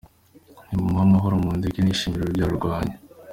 Nimumuhe amahoro mundeke nishimire urubyaro rwanjye.